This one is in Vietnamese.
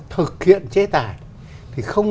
thực hiện chế tài thì không